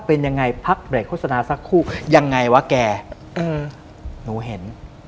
เป็นยังไงพักเบรกโฆษณาสักคู่ยังไงวะแกเออหนูเห็น